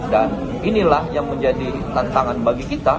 dan inilah yang menjadi tantangan bagi kita